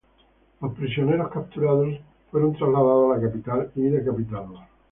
Los prisioneros capturados fueron trasladados a la capital y decapitados.